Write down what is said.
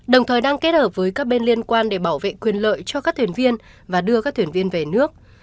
đồng thời đang kết hợp với các bên liên quan để bảo vệ quyền lợi cho các thuyền viên và đưa các thuyền viên về nước